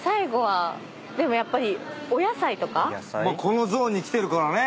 まあこのゾーンに来てるからね。